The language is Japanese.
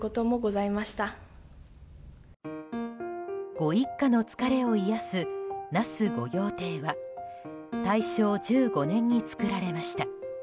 ご一家の疲れを癒やす那須御用邸は大正１５年に作られました。